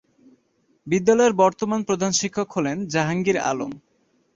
বিদ্যালয়ের বর্তমান প্রধান শিক্ষক হলেন জাহাঙ্গীর আলম।